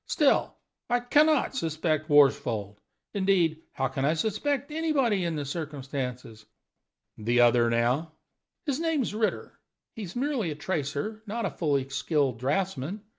Still, I can not suspect Worsfold. Indeed, how can I suspect anybody in the circumstances?" "The other, now?" "His name's Ritter. He is merely a tracer, not a fully skilled draughtsman.